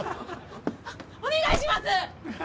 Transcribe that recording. お願いします！